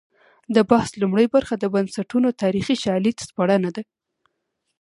د بحث لومړۍ برخه د بنسټونو تاریخي شالید سپړنه ده.